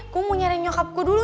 gue mau nyari nyokap gue dulu